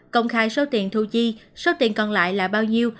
công khai số tiền thu chi số tiền còn lại là bao nhiêu